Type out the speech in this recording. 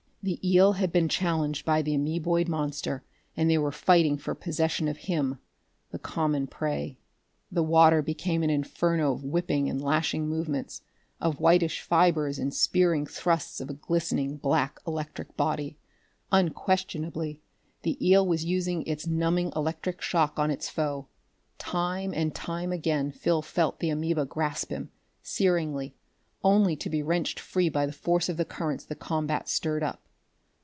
The eel had been challenged by the ameboid monster, and they were fighting for possession of him the common prey. The water became an inferno of whipping and lashing movements, of whitish fibers and spearing thrusts of a glistening black electric body. Unquestionably the eel was using its numbing electric shock on its foe. Time and time again Phil felt the amoeba grasp him, searingly, only to be wrenched free by the force of the currents the combat stirred up.